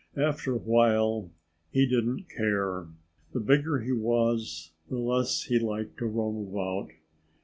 After a while he didn't care. The bigger he was, the less he liked to roam about.